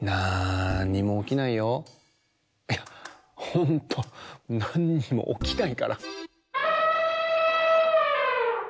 いやほんとなんにもおきないから。